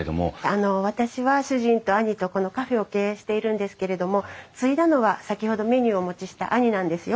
私は主人と兄とこのカフェを経営しているんですけれども継いだのは先ほどメニューをお持ちした兄なんですよ。